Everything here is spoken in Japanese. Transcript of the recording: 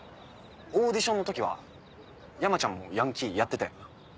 オーディションの時は山ちゃんもヤンキーやってたよな。